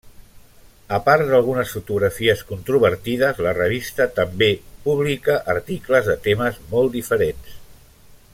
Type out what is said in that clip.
A part d'algunes fotografies controvertides, la revista també publica articles de temes molt diferents.